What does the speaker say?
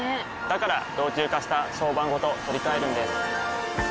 から老朽化した床版ごと取り替えるんです。